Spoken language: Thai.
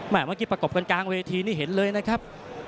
เมื่อกี้ประกบกันกลางเวทีนี่เห็นเลยนะครับ